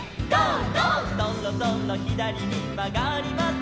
「そろそろひだりにまがります」